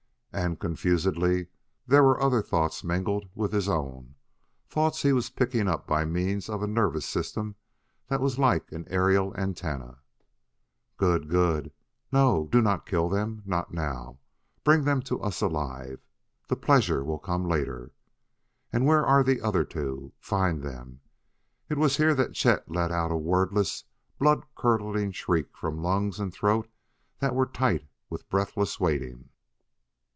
And, confusedly, there were other thoughts mingled with his own thoughts he was picking up by means of a nervous system that was like an aerial antenna: "Good good! No do not kill them. Not now; bring them to us alive. The pleasure will come later. And where are the other two? Find them!" It was here that Chet let out a wordless, blood curdling shriek from lungs and throat that were tight with breathless waiting.